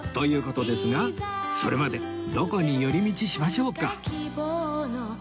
事ですがそれまでどこに寄り道しましょうか？